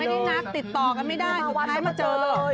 ไม่ได้นัดติดต่อกันไม่ได้สุดท้ายมาเจอเลย